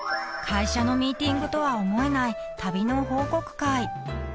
［会社のミーティングとは思えない旅の報告会］